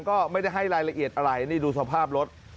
ก็ไม่ได้ให้รายละเอียดอะไรนี่ดูสภาพรถ